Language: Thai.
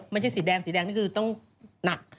สีแดงสีแดงนี่คือต้องหนัก